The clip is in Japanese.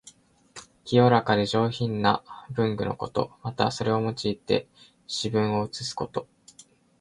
清らかで上品な文具のこと。また、それを用いて詩文を写すこと。